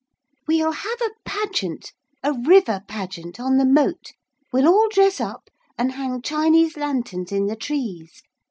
'We'll have a pageant, a river pageant, on the moat. We'll all dress up and hang Chinese lanterns in the trees.